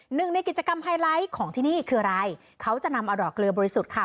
หนึ่งในกิจกรรมไฮไลท์ของที่นี่คืออะไรเขาจะนำเอาดอกเกลือบริสุทธิ์ค่ะ